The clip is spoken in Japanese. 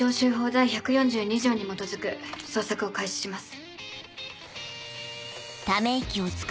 第１４２条に基づく捜索を開始します。